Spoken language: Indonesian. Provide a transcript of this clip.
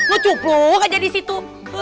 lo cupuk aja di situ